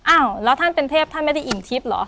อ้าวแล้วท่านเป็นเทพท่านไม่ได้อิ่งทิพย์เหรอ